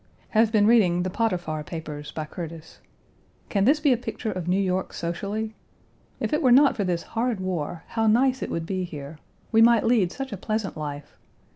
Have been reading The Potiphar Papers by Curtis. Can this be a picture of New York socially? If it were not for this horrid war, how nice it would be here. We might lead such a pleasant life.